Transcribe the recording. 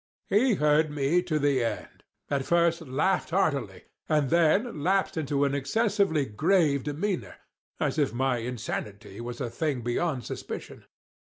He heard me to the end—at first laughed heartily—and then lapsed into an excessively grave demeanor, as if my insanity was a thing beyond suspicion.